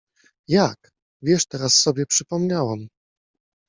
— Jak? — Wiesz, teraz sobie przypomniałam.